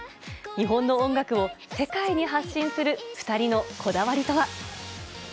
日本の音楽を世界に発信する２人のこだわりとは。